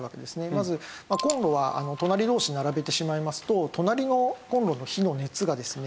まずコンロは隣同士並べてしまいますと隣のコンロの火の熱がですね